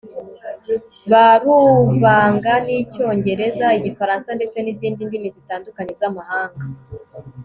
baruvanga n'icyongereza, igifaransa ndetse n'izindi ndimi zitandukanye z'amahanga